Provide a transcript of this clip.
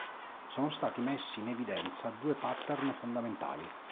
Sono stati messi in evidenza due pattern fondamentali.